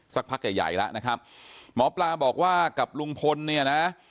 สักพักใหญ่ใหญ่แล้วนะครับหมอปลาบอกว่ากับลุงพลเนี่ยนะ